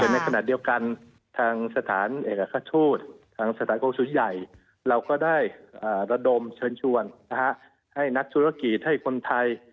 ในขณะเดียวกันทางสถานเอกทูตทางสถานกรงศูนย์ใหญ่เราก็ได้ระดมเชิญชวนให้นักธุรกิจให้คนไทย